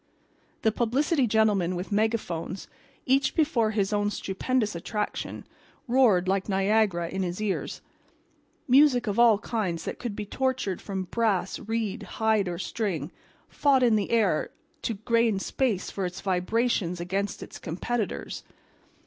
The publicity gentlemen with megaphones, each before his own stupendous attraction, roared like Niagara in his ears. Music of all kinds that could be tortured from brass, reed, hide or string, fought in the air to gain space for its vibrations against its competitors.